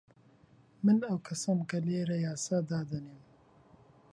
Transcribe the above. من ئەو کەسەم کە لێرە یاسا دادەنێم.